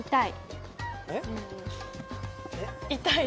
痛い？